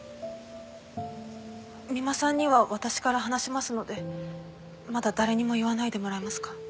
三馬さんには私から話しますのでまだ誰にも言わないでもらえますか？